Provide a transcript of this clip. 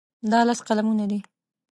دا لس قلمونه دي.